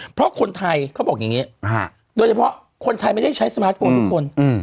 เพราะคนไทยเขาบอกอย่างนี้โดยเฉพาะคนไทยไม่ได้ใช้สมาร์ทโฟนทุกคน